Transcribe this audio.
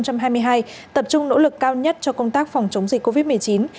tập trung nỗ lực cao nhất cho công tác phòng chống dịch covid một mươi chín